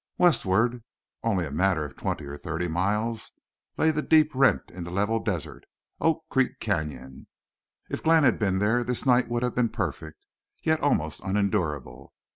Westward, only a matter of twenty or thirty miles, lay the deep rent in the level desert—Oak Creek Canyon. If Glenn had been there this night would have been perfect, yet almost unendurable.